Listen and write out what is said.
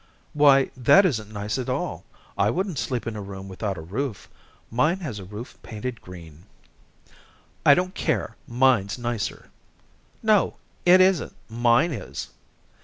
"Why, that isn't nice at all. I wouldn't sleep in a room without a roof. Mine has a roof painted green." "I don't care, mine's nicer." "No, it isn't. Mine is."